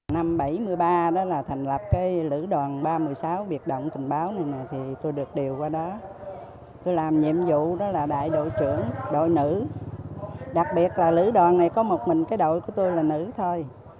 năm một nghìn chín trăm bảy mươi ba là thành lập lữ đoàn ba trăm một mươi sáu biệt động tình báo này tôi được điều qua đó tôi làm nhiệm vụ là đại đội trưởng đội nữ đặc biệt là lữ đoàn này có một mình đội của tôi là nữ thôi